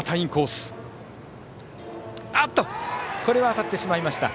当たってしまいました。